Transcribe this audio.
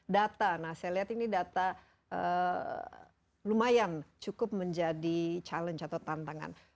data nah saya lihat ini data lumayan cukup menjadi challenge atau tantangan